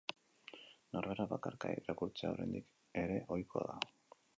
Norberak bakarka irakurtzea oraindik ere ohikoa da.